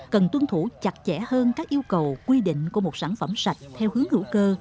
cần tuân thủ chặt chẽ hơn các yêu cầu quy định của một sản phẩm sạch theo hướng hữu cơ